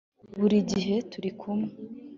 buri gihe turi kumwe